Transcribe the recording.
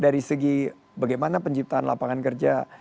dari segi bagaimana penciptaan lapangan kerja